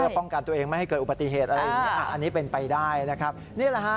ป้องกันตัวเองไม่ให้เกิดอุบัติเหตุอะไรอย่างเงี้อ่ะอันนี้เป็นไปได้นะครับนี่แหละฮะ